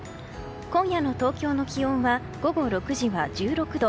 今夜の東京の気温は午後６時は１６度。